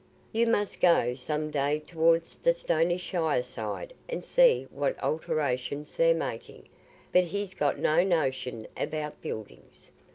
You must go some day towards the Stonyshire side and see what alterations they're making. But he's got no notion about buildings.